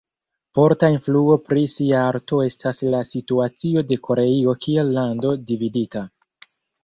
Forta influo pri sia arto estas la situacio de Koreio kiel lando dividita.